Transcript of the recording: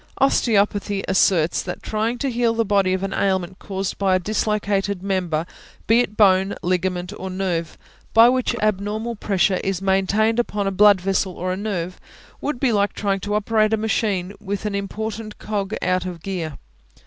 Osteopathy asserts that trying to heal the body of an ailment caused by a dislocated member, be it a bone, ligament, or nerve, by which abnormal pressure is maintained upon a blood vessel or a nerve, would be like trying to operate a machine with an important cog out of gear.